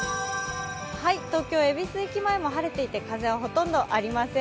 東京・恵比寿駅も晴れていて風はほとんどありません。